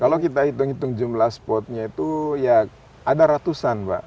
kalau kita hitung hitung jumlah spotnya itu ya ada ratusan mbak